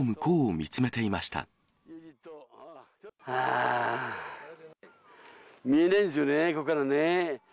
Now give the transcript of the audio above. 見えないんですよね、ここからね。